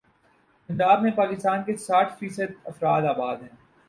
پنجاب میں پاکستان کے ساٹھ فی صد افراد آباد ہیں۔